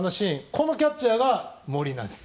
このキャッチャーがモリーナです。